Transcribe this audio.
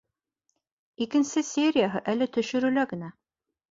Икенсе серияһы әле төшөрөлә генә